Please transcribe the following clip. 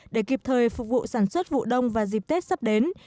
để kịp thời phục vụ sản xuất vụ đông và dịp tết sắp đến